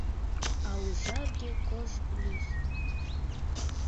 А ужарге кож лӱс.